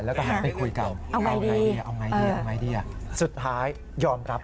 และหันไปคุยกันเอาไงดีสุดท้ายยอมรับ